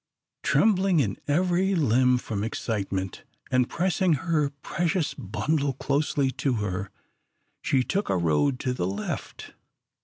Trembling in every limb from excitement, and pressing her precious bundle closely to her, she took a road to the left.